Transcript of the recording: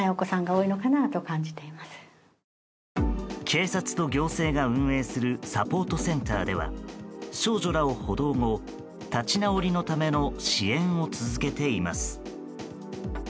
警察と行政が運営するサポートセンターでは少女らを補導後立ち直りのための支援を続けています。